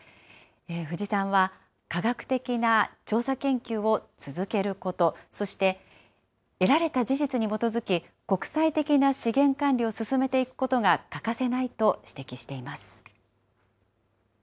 冨士さんは、科学的な調査研究を続けること、そして得られた事実に基づき、国際的な資源管理を進めていくことが欠かせないと指摘しています。